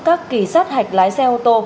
các kỳ sát hạch lái xe ô tô